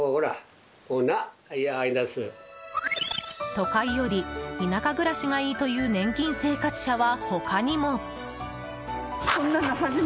都会より田舎暮らしがいいという年金生活者は、他にも。